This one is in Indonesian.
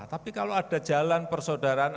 tapi kalau ada jalan persaudaraan